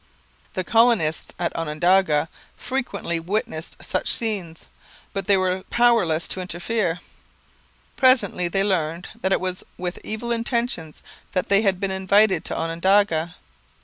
The colonists at Onondaga frequently witnessed such scenes, but they were powerless to interfere. Presently they learned that it was with evil intentions that they had been invited to Onondaga.